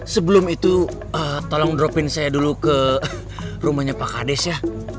sebelum itu tolong dropin saya dulu ke rumahnya pak kades ya